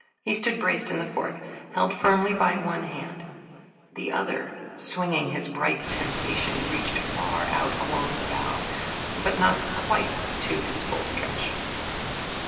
He stood braced in the fork, held firmly by one hand the other, swinging his bright temptation, reached far out along the bough, but not quite to his full stretch.